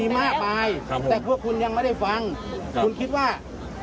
มันกระทบหมดเลยครับ